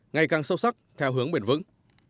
ngày càng sâu sắc theo hướng biển vững